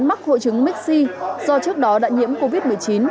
mắc hội chứng mixi do trước đó đã nhiễm covid một mươi chín